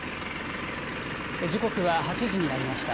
時刻は８時になりました。